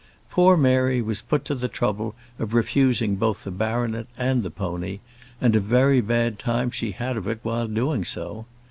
Poor Mary was put to the trouble of refusing both the baronet and the pony, and a very bad time she had of it while doing so.